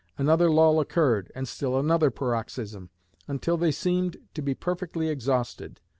Another lull occurred, and still another paroxysm, until they seemed to be perfectly exhausted.